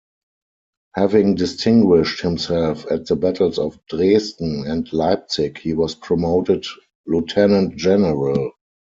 Having distinguished himself at the battles of Dresden and Leipzig he was promoted lieutenant-general.